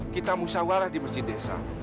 kita musawalah di mesjid desa